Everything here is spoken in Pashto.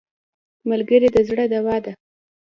ملګری د زړه دوا ده